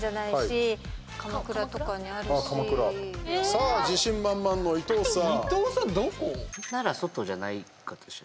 さあ、自信満々の伊藤さん。